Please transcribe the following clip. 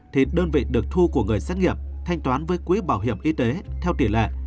thì đơn vị được thu của người xét nghiệm thanh toán với quỹ bảo hiểm y tế theo tỷ lệ